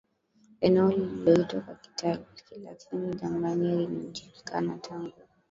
Eneo lililoitwa kwa kilatini Germania linajulikana tangu